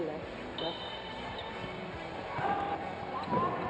สวัสดีทุกคน